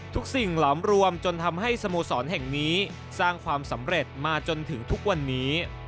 สิ่งหลอมรวมจนทำให้สโมสรแห่งนี้สร้างความสำเร็จมาจนถึงทุกวันนี้